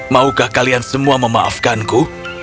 maukah kalian semua memaafkanku